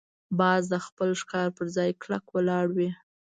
باز د خپل ښکار پر ځای کلکه ولاړ وي